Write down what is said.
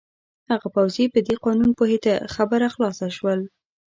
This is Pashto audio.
هغه پوځي په دې قانون پوهېده، خبره خلاصه شول.